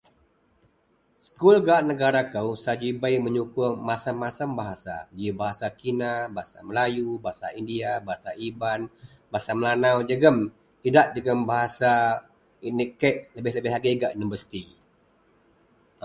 Gui gak negara ko saji bei menyukong macam-macam bahasa ji bahasa cina, bahasa melayu, bahasa india, bahasa iban dan bahasa melanau idak jegam bahasa etnik kei idak agei keman universiti.